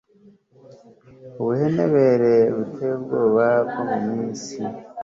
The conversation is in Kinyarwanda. Ubuhenebere buteye ubwoba bwo mu minsi